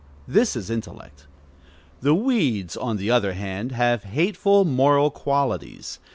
This is intellect. The weeds, on the other hand, have hateful moral qualities.